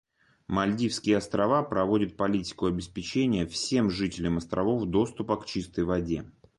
Мальдивские Острова проводят политику обеспечения всем жителям островов доступа к чистой воде.